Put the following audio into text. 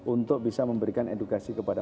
untuk bisa memberikan edukasi kepada